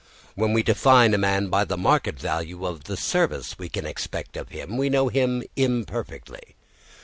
When we define a man by the market value of the service we can expect of him, we know him imperfectly.